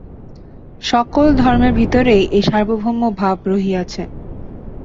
সকল ধর্মের ভিতরেই এই সার্বভৌম ভাব রহিয়াছে।